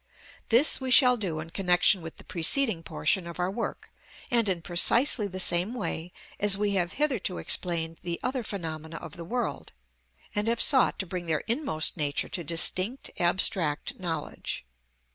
This we shall do in connection with the preceding portion of our work, and in precisely the same way as we have hitherto explained the other phenomena of the world, and have sought to bring their inmost nature to distinct abstract knowledge.